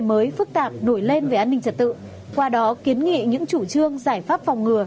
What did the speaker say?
mới phức tạp nổi lên về an ninh trật tự qua đó kiến nghị những chủ trương giải pháp phòng ngừa